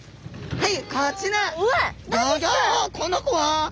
はい。